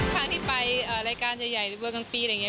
ครั้งที่ไปรายการใหญ่เวลาครั้งปีอะไรอย่างนี้